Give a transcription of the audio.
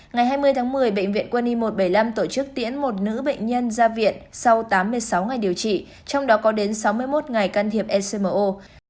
ngày hai mươi tháng một mươi bệnh viện quân y một trăm bảy mươi năm tổ chức tiễn một nữ bệnh nhân ra viện sau tám mươi sáu ngày điều trị trong đó có đến sáu mươi một ngày can thiệp ecmo